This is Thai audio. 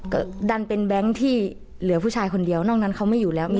ก็ดันเป็นแบงค์ที่เหลือผู้ชายคนเดียวนอกนั้นเขาไม่อยู่แล้ว